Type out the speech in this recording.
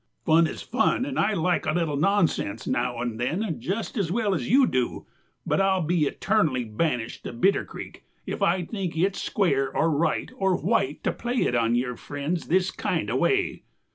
Fun is fun, and I like a little nonsense now and then just as well as you do, but I'll be eternally banished to Bitter creek if I think it's square or right or white to play it on your friends this kind of a way.